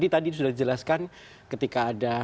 tadi sudah dijelaskan ketika ada